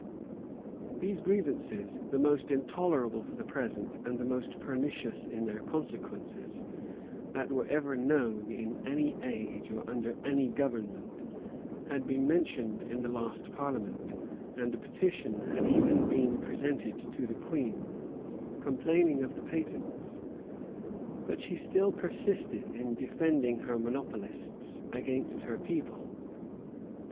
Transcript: These grievances, the most intolerable for the present, and the most pernicious in their consequences, that ever were known in any age or under any government, had been mentioned in the last parliament, and a petition had even been presented to the queen, complaining of the patents; but she still persisted in defending her monopolists against her people.